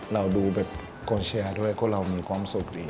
เราดูแบบกองเชียร์ด้วยคนเรามีความสุขดี